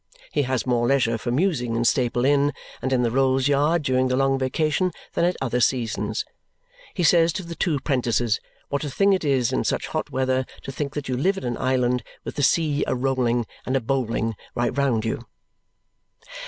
He has more leisure for musing in Staple Inn and in the Rolls Yard during the long vacation than at other seasons, and he says to the two 'prentices, what a thing it is in such hot weather to think that you live in an island with the sea a rolling and a bowling right round you.